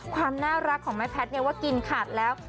ความน่ารักของแม่แพทย์ว่ากินขาดแล้ว